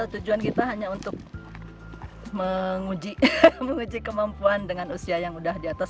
tujuan kita hanya untuk menguji kemampuan dengan usia yang udah di atas lima puluh